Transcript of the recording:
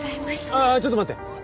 ああちょっと待って。